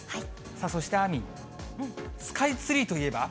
そしてあーみん、スカイツリーといえば。